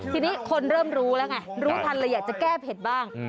ทีนี้คนเริ่มรู้แล้วไงรู้ทันเลยอยากจะแก้เผ็ดบ้าง